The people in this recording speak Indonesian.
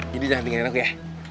jadi jangan pingin aku ya